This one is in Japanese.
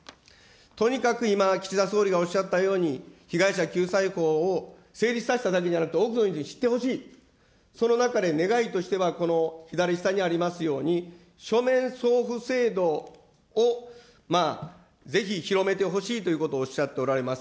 とにかく今は、岸田総理がおっしゃったように、被害者救済法を成立させただけじゃなくて、多くの人に知ってほしい、その中で願いとしては、この左下にありますように、書面送付制度をぜひ広めてほしいということをおっしゃっておられます。